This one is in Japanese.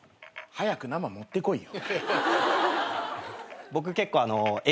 早く生持ってこいよ！